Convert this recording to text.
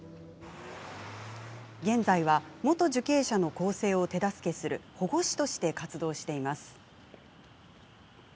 現在は元受刑者の更生を手助けする保護司として活動しています。